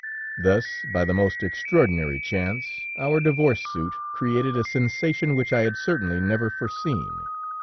"Thus, by the most extraordinary chance, our divorce suit created a sensation which I had certainly never foreseen.